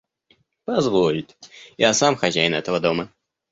Позволит. Я сам хозяин этого дома.